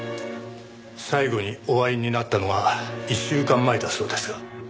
最後にお会いになったのは１週間前だそうですが。